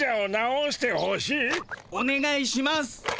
おねがいします。